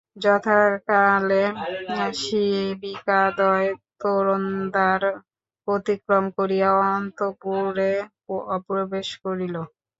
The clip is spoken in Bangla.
যথাকালে শিবিকাদ্বয় তোরণদ্বার অতিক্রম করিয়া অন্তঃপুরে প্রবেশ করিল।